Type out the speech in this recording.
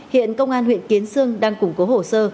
hiện công an huyện kiến sương đang củng cố hồ sơ